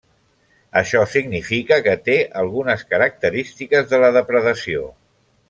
Això significa que té algunes característiques de la depredació.